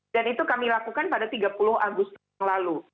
dan itu kami lakukan pada tiga puluh agustus yang lalu